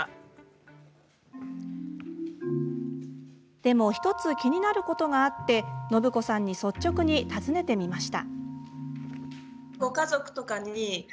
でも、１つ気になることがあってのぶこさんに率直に尋ねてみました。